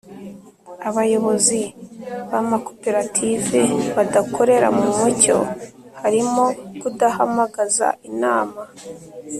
Abayobozi b amakoperative badakorera mu mucyo harimo kudahamagaza inama